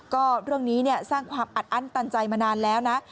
ก็เรื่องนี้สร้างความอัดอั้นตันใจมานานแล้วนะ